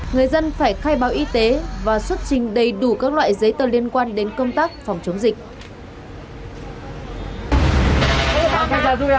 người dân phải khai báo y tế và xuất trình đầy đủ các loại giấy tờ liên quan đến công tác phòng chống dịch